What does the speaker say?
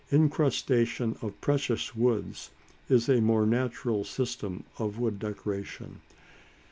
Incrustation of precious woods is a more natural system of wood decoration.